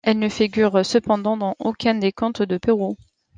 Elles ne figurent cependant dans aucun des contes de Perrault.